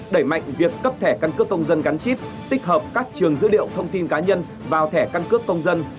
đẩy mạnh việc cấp thẻ căn cước công dân gắn chip tích hợp các trường dữ liệu thông tin cá nhân vào thẻ căn cước công dân